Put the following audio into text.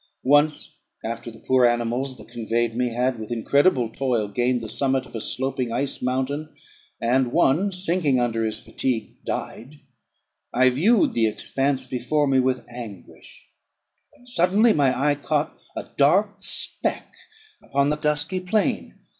Once, after the poor animals that conveyed me had with incredible toil gained the summit of a sloping ice mountain, and one, sinking under his fatigue, died, I viewed the expanse before me with anguish, when suddenly my eye caught a dark speck upon the dusky plain.